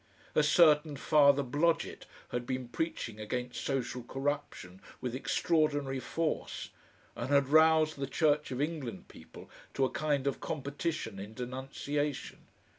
A certain Father Blodgett had been preaching against social corruption with extraordinary force, and had roused the Church of England people to a kind of competition in denunciation.